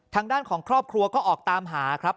ทางด้านของครอบครัวก็ออกตามหาครับ